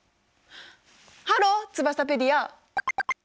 ハローツバサペディア！